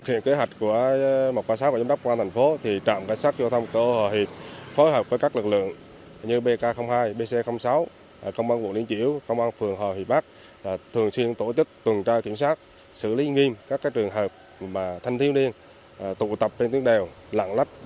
theo dõi trạm cảnh sát giao thông cửa ô hòa hiệp đã phát hiện hơn năm trăm linh trường hợp thanh thiếu niên tụ tập sử dụng xe máy độ chế